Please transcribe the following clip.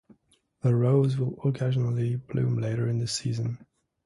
The rose will occasionally bloom later in the season.